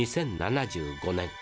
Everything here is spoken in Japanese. ２０７５年。